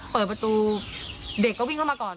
เปิดประตูเด็กก็วิ่งเข้ามาก่อน